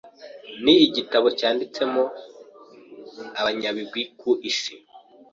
ni igitabo cyandikwamo abanyabigwi ku Isi,